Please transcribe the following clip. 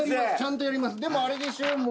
でもあれでしょ？